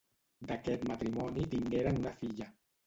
D'aquest matrimoni tingueren una filla.